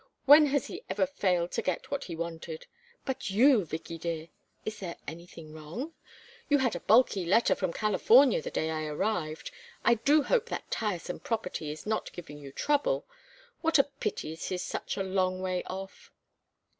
When has he ever failed to get what he wanted? But you, Vicky dear is there anything wrong? You had a bulky letter from California the day I arrived. I do hope that tiresome property is not giving you trouble. What a pity it is such a long way off."